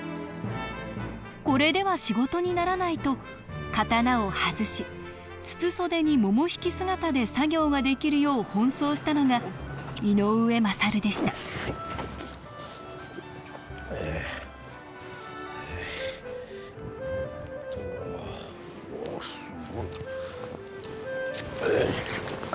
これでは仕事にならないと刀を外し筒袖にももひき姿で作業ができるよう奔走したのが井上勝でしたおすごい。よいしょ。